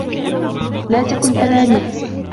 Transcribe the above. لا تكن أنانيّاً!